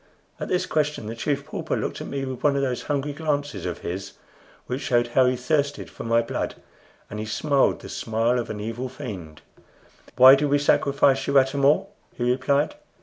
At this question the Chief Pauper looked at me with one of those hungry glances of his, which showed how he thirsted for my blood, and he smiled the smile of an evil fiend. "Why do we sacrifice you, Atam or?" he replied.